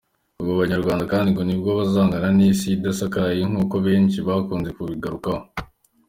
Ubwo bunyarwanda kandi ngo nibwo buzahangana n’Isi idasakaye nk’uko abenshi bakunze kubigarukaho.